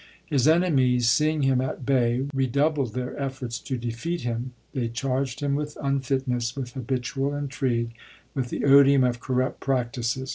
His enemies, seeing him at bay, redoubled their efforts to defeat him. They charged him with unfitness, with habitual intrigue, with the odium of corrupt practices.